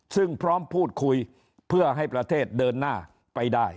ซึ่งพร้อมพูดคุยเพื่อให้ประเทศเดินหน้าไปได้